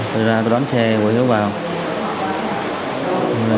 rồi ra tôi đón xe gọi hiếu vào